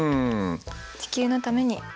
地球のために。